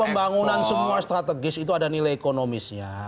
pembangunan semua strategis itu ada nilai ekonomisnya